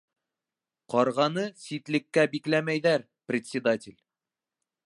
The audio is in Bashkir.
Ҡарғаны ситлеккә бикләмәйҙәр, председатель!